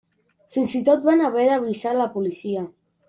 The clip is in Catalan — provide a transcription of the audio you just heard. Fins i tot van haver d'avisar la policia.